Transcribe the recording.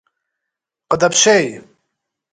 Къыдэпщей!